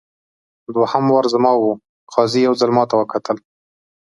دوهم وار زما وو قاضي یو ځل ماته وکتل.